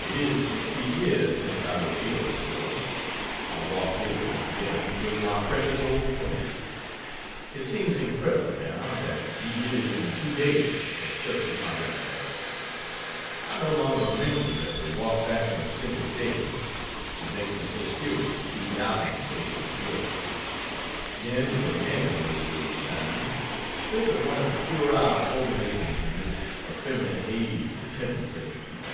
It is sixty years since I was here before. I walked hither, then, with my precious old friend. It seems incredible, now, that we did it in two days, but such is my recollection. I no longer mention that we walked back in a single day, it makes me so furious to see doubt in the face of the hearer. Men were men in those old times. Think of one of the puerile organisms in this effeminate age attempting such a feat.